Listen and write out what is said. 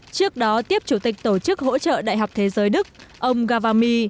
trước đó tiếp chủ tịch tổ chức hỗ trợ đại học thế giới đức ông gavami